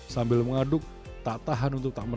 sambil mengaduk tak tahan untuk menangis